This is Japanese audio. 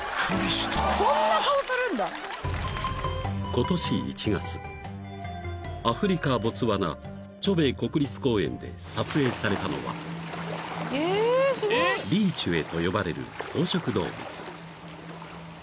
［今年１月アフリカボツワナチョベ国立公園で撮影されたのはリーチュエと呼ばれる草食動物］